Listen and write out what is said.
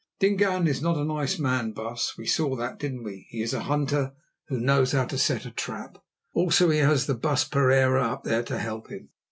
Dingaan is not a nice man, baas; we saw that, didn't we? He is a hunter who knows how to set a trap. Also he has the Baas Pereira up there to help him.